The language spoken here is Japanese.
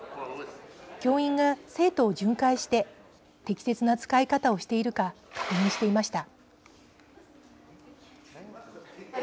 教員が生徒を巡回して適切な使い方をしているか確認していました。